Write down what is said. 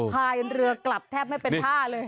พายเรือกลับแทบไม่เป็นท่าเลย